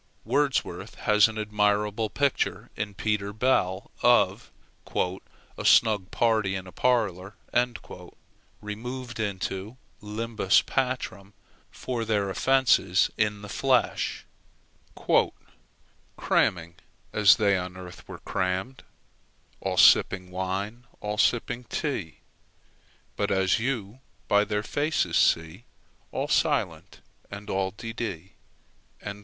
Wordsworth has an admirable picture in Peter Bell of "A snug party in a parlor," removed into limbus patrum for their offences in the flesh: "Cramming, as they on earth were cramm'd; All sipping wine, all sipping tea; But, as you by their faces see, All silent, and all d d."